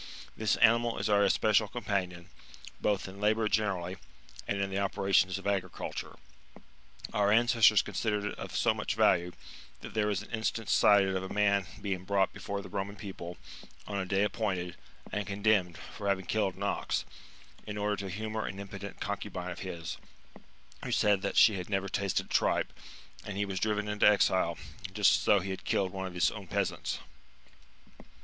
®^ This animal is our espe cial companion, both in labour generally, and in the operations of agriculture. Our ancestors considered it of so much value, that there is an instance cited of a man being brought before the Eoman people, on a day appointed, and condemned, for having killed an ox, in order to humour an impudent concu bine of his, who said that she had never tasted tripe ; and he was driven into exile, just as though he had killed one of his own peasants.